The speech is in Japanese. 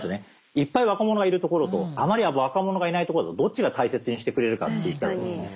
いっぱい若者がいる所とあまり若者がいない所だとどっちが大切にしてくれるかっていったらですね。